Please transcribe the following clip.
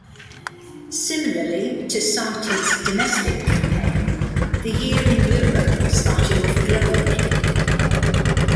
Similarly to Sartid's domestic campaign, the year in Europe started off glowingly.